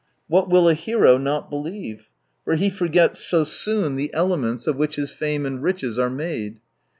What will a hero not believe ! For he forgets so soon the elements of which his fame and riches are made.